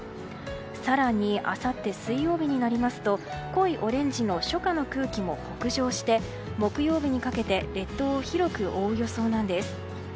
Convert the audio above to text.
更にあさって水曜日になりますと濃いオレンジの初夏の空気も北上して木曜日にかけて列島を広く覆う予想なんです。